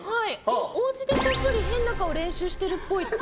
おうちでこっそり変な顔練習してるっぽいって。